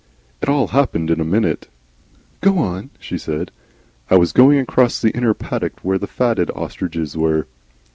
"It all happened in a minute." "Go on," she said. "I was going across the inner paddock where the fatted ostriches were."